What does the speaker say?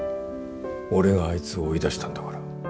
俺があいつを追い出したんだから。